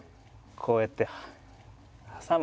こうやって挟む。